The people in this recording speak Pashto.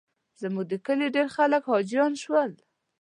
زموږ د کلي ډېر خلک حاجیان شول.